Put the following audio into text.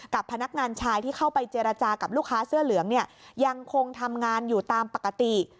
พนักงานชายที่เข้าไปเจรจากับลูกค้าเสื้อเหลืองเนี่ยยังคงทำงานอยู่ตามปกติ